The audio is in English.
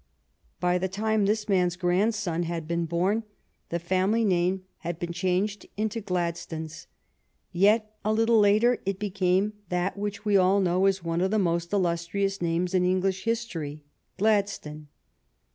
By the time this man's grandson had been born the family name had been changed into Gladstones. Yet a little later and it became that which we all know as one of the most illustrious names in English history — Gladstone.